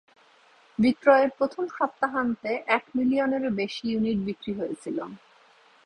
বিক্রয়ের প্রথম সপ্তাহান্তে, এক মিলিয়নেরও বেশি ইউনিট বিক্রি হয়েছিল।